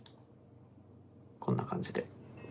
こんな感じで。